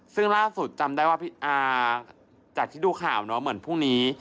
ซึ่งล่าสุดจำได้ว่าพี่อาจากที่ดูข่าวเนาะเหมือนพรุ่งนี้